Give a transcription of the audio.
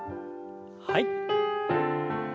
はい。